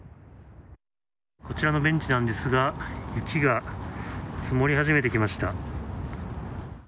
こちらのベンチですが雪が積もり始めてきました。